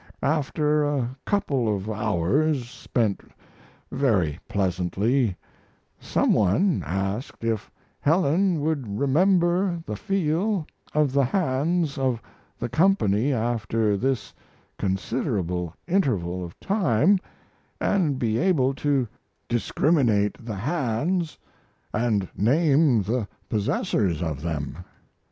After a couple of hours spent very pleasantly some one asked if Helen would remember the feel of the hands of the company after this considerable interval of time and be able to discriminate the hands and name the possessors of them.